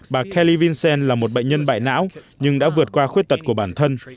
bà kelly vincent là một bệnh nhân bại não nhưng đã vượt qua khuyết tật của bản thân